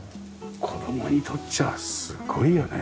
子供にとっちゃすごいよね。